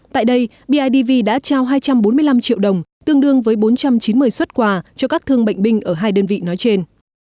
tại đây bidv đã trao hai trăm bốn mươi năm triệu đồng tương đương với bốn trăm chín mươi xuất quà cho các thương bệnh binh ở hai đơn vị nói trên